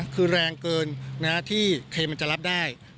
คือแรงเกินที่เคลมมันจะรับได้